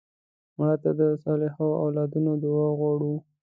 مړه ته د صالحو اولادونو دعا غواړو